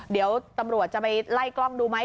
เดี๋ยวตำรวจจะไปไล่กล้องดูไหม